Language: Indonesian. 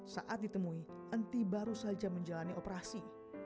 saat ditemui enti baru saja menjalani operasi